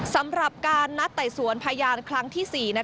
สำหรับการนัดไต่สวนพยานครั้งที่๔